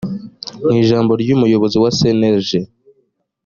mu ijambo ry umuyobozi wa cnlg